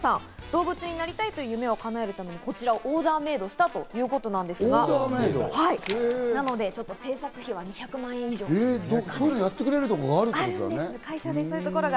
動物になりたいという夢をかなえるため、こちらをオーダーメードしたということなんですが、なので制作費はやってくれるところがあるんだね。